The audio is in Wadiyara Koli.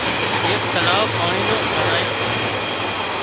ايڪ تلاوَ پاڻي نو ٺاهرايو